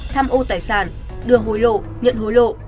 tham ô tài sản đưa hối lộ nhận hối lộ